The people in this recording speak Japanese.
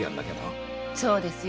そうですよ。